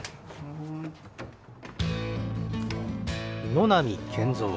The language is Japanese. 野波健蔵。